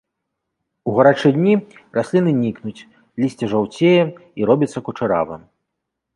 У гарачыя дні расліны нікнуць, лісце жаўцее і робіцца кучаравым.